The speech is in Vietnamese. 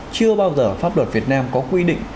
chưa bao giờ pháp luật việt nam có quy định